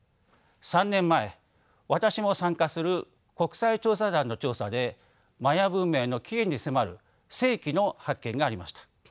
３年前私も参加する国際調査団の調査でマヤ文明の起源に迫る世紀の発見がありました。